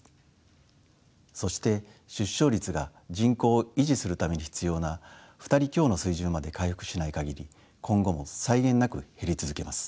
そして出生率が人口を維持するために必要な２人強の水準まで回復しない限り今後も際限なく減り続けます。